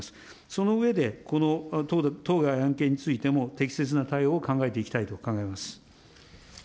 その上で、この当該案件についても適切な対応を考えていきたいと考えます。